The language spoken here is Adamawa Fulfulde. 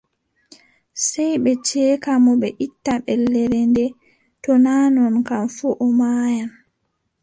Sey ɓe ceeka mo ɓe itta ɓellere ndee, to naa non kam fuu, o maayan.